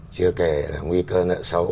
chưa kể là nguy cơ nợ sấu